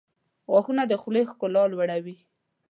• غاښونه د خولې ښکلا لوړوي.